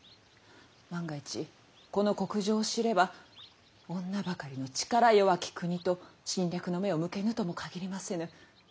万が一この国情を知れば女ばかりの力弱き国と侵略の目を向けぬとも限りませぬ。